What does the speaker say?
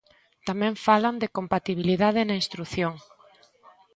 Tamén falan de compatibilidade na instrución.